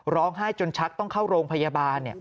ร้องไห้จนชักต้องเข้าโรงพยาบาล